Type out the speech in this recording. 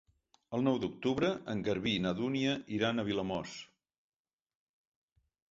El nou d'octubre en Garbí i na Dúnia iran a Vilamòs.